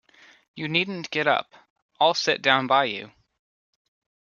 You needn't get up; I'll sit down by you.